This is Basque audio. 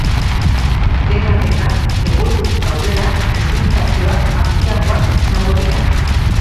Dena dela, eguerditik aurrera prezipitazioak handiagoak izango dira.